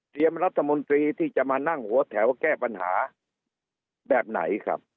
รัฐมนตรีที่จะมานั่งหัวแถวแก้ปัญหาแบบไหนครับ